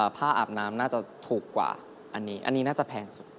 อาบน้ำน่าจะถูกกว่าอันนี้อันนี้น่าจะแพงสุด